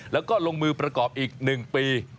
แล้วก็ลงมือประกอบอีก๑ปี